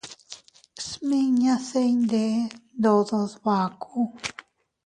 Smiñase iyndeʼe ndodo dbaku.